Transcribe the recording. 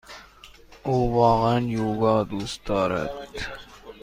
او واقعا یوگا دوست دارد.